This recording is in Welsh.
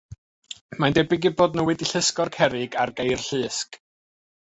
Mae'n debyg eu bod nhw wedi llusgo'r cerrig ar geir llusg.